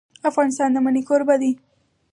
افغانستان د منی کوربه دی.